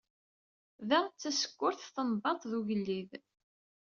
Da tsekstuf tenbaḍt n ugellid.